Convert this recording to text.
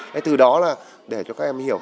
thế từ đó là để cho các em hiểu